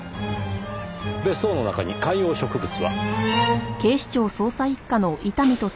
別荘の中に観葉植物は？